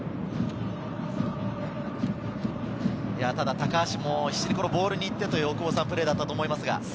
高橋も必死にボールに行ってというプレーだったと思います。